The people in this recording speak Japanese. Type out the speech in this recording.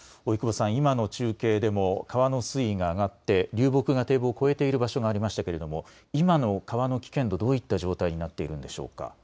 今の中継でも川の水位が上がって流木が堤防を超えている場所がありましたが今の川の危険度、どういった状態になっているんでしょうか。